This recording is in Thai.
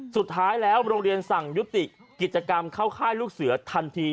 สุดท้ายแล้วโรงเรียนสั่งยุติกิจกรรมเข้าค่ายลูกเสือทันที